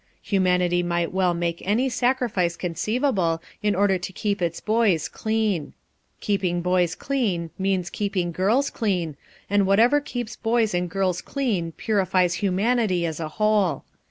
Humanity might well make any sacrifice conceivable in order to keep its boys clean. Keeping boys clean means keeping girls clean, and whatever keeps boys and girls clean purifies humanity as a whole.